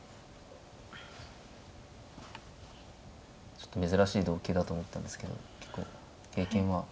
ちょっと珍しい同形だと思ったんですけど結構経験は。